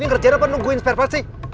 ini ngerjain apa nungguin spare part sih